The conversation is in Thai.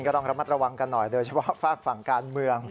ก็ต้องระมัดระวังกันหน่อยโดยเฉพาะฝากฝั่งการเมือง